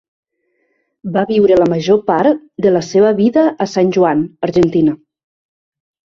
Va viure la major part de la seva vida a San Juan, Argentina.